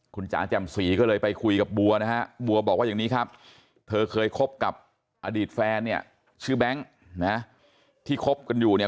คุณจ๋าแจ่มสีก็เลยไปคุยกับบัวนะฮะบัวบอกว่าอย่างนี้ครับเธอเคยคบกับอดีตแฟนเนี่ยชื่อแบงค์นะที่คบกันอยู่เนี่ย